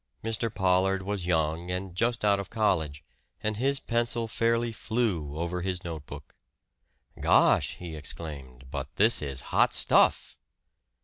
Mr. Pollard was young and just out of college, and his pencil fairly flew over his notebook. "Gosh!" he exclaimed. "But this is hot stuff!"